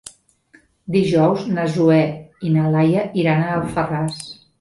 Dijous na Zoè i na Laia iran a Alfarràs.